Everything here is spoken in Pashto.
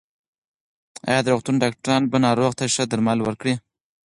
ایا د روغتون ډاکټران به ناروغ ته ښه درمل ورکړي؟